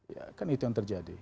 ya kan itu yang terjadi